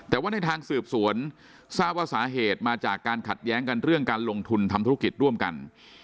แต่ว่าในทางสืบสวนทราบว่าสาเหตุมาจากการขัดแย้งกันเรื่องการลงทุนทำธุรกิจร่วมกัน